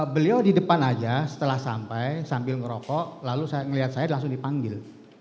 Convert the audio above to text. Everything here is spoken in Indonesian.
beliau di depan aja setelah sampai sambil ngerokok lalu ngelihat saya langsung dipanggil